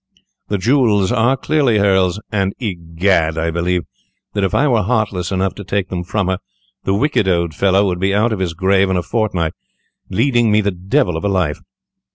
The jewels are clearly hers, and, egad, I believe that if I were heartless enough to take them from her, the wicked old fellow would be out of his grave in a fortnight, leading me the devil of a life.